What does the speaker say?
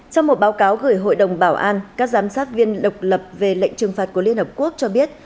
trong một báo cáo gửi hội đồng bảo an các giám sát viên độc lập về lệnh trừng phạt của liên hợp quốc cho biết